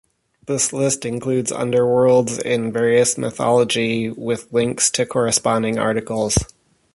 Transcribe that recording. This list includes underworlds in various mythology, with links to corresponding articles.